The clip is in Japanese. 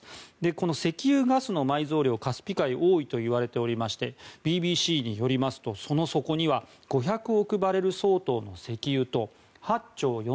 この石油ガスの埋蔵量がカスピ海は多いといわれていましてＢＢＣによりますとその底には５００億バレル相当の石油と８兆４０００億